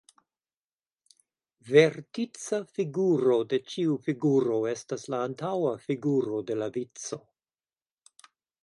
Vertica figuro de ĉiu figuro estas la antaŭa figuro de la vico.